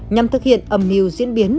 nhằm thực hiện ẩm niu diễn biến